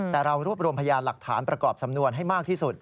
แต่เรารวบรวมพยานหลักฐานประกอบสำนวนให้มากที่สุด